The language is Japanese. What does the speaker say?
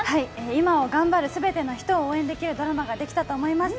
今を頑張る全ての人を応援できるドラマができたと思います。